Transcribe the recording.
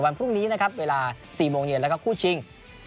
วันพรุ่งนี้นะครับเวลา๔โมงเย็นแล้วก็คู่ชิง